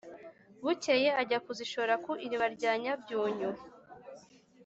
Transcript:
bukeye ajya kuzishora ku iriba rya nyabyunyu,